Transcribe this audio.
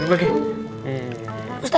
belum tae bina